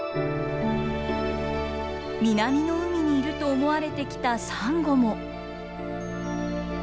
南の海にいると思われてきたサンゴも。